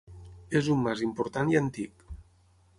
És un mas important i antic.